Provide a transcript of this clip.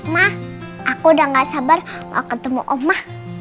ma aku udah gak sabar mau ketemu om ma